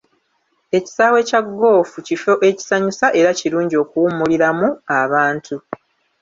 Ekisaawe kya ggoofu kifo ekisanyusa era ekirungi okuwummuliramu abantu.